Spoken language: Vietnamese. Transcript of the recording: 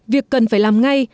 việc cần phải làm ngay